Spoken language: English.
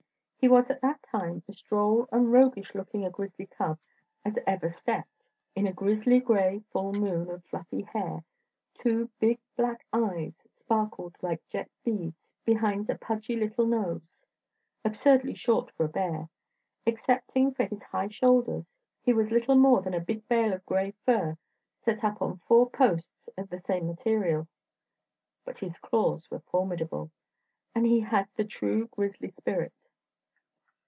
He was at that time as droll and roguish looking a grizzly cub as ever stepped. In a grizzly gray full moon of fluffy hair, two big black eyes sparkled like jet beads, behind a pudgy little nose, absurdly short for a bear. Excepting for his high shoulders, he was little more than a big bale of gray fur set up on four posts of the same material. But his claws were formidable, and he had the true grizzly spirit.